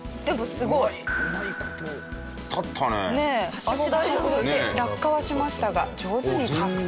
はしごが外れて落下はしましたが上手に着地。